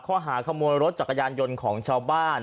ข้อหาขโมยรถจักรยานยนต์ของชาวบ้าน